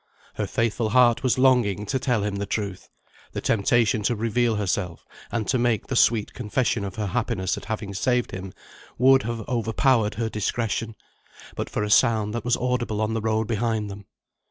Her faithful heart was longing to tell him the truth. The temptation to reveal herself, and to make the sweet confession of her happiness at having saved him, would have overpowered her discretion, but for a sound that was audible on the road behind them.